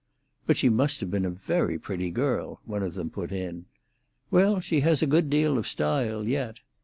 "But she must have been a very pretty girl," one of them put in. "Well, she has a good deal of style yet."